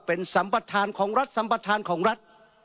เป็นสัมประธานของรัฐสัมประธานของรัฐ